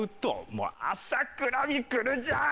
もう朝倉未来じゃん！